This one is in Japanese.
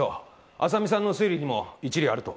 浅見さんの推理にも一理あると。